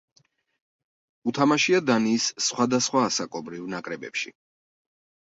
უთამაშია დანიის სხვადასხვა ასაკობრივ ნაკრებებში.